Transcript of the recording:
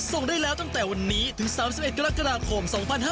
ส่งได้แล้วตั้งแต่วันนี้ถึง๓๑กรกฎาคม๒๕๕๙